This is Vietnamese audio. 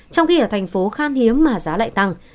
trong khi ở thành phố khan hiếm mà giá lại tăng